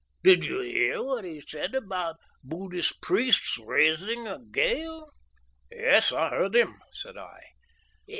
Did you hear what he said about Buddhist priests raising a gale?" "Yes, I heard him," said I.